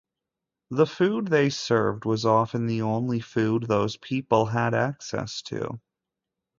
The food they served was often the only food those people had access to.